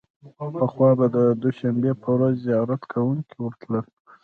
پخوا به د دوشنبې په ورځ زیارت کوونکي ورتلل.